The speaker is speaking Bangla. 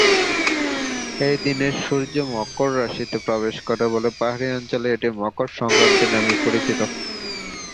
এই দিনে সূর্য মকর রাশিতে প্রবেশ করে বলে পাহাড়ি অঞ্চলে এটি মকর সংক্রান্তি নামে পরিচিত।